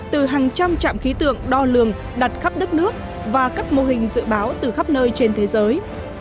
từ hàng trăm trạm khí tượng đo lường đặt khắp đất nước và các mô hình dự báo từ khắp nơi trên thế giới